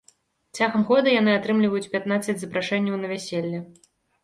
Цягам года яны атрымліваюць пятнаццаць запрашэнняў на вяселле.